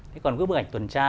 thế còn cái bức ảnh tuần tra